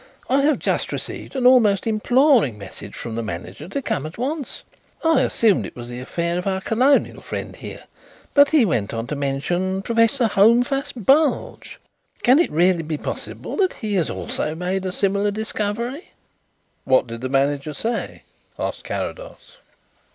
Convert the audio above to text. I have just received an almost imploring message from the manager to come at once. I assumed that it was the affair of our colonial friend here, but he went on to mention Professor Holmfast Bulge. Can it really be possible that he also has made a similar discovery?" "What did the manager say?" asked Carrados.